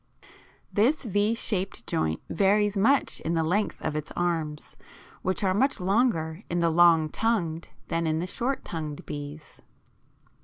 This V shaped joint varies much in the length of its arms, which are much longer in the long tongued than in the short tongued bees.